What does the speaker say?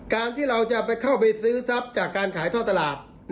การที่เราจะไปเข้าไปซื้อทรัพย์จากการขายท่อตลาด